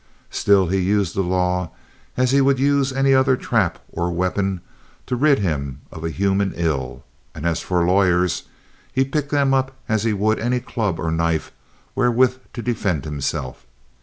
Still he used law as he would use any other trap or weapon to rid him of a human ill; and as for lawyers, he picked them up as he would any club or knife wherewith to defend himself.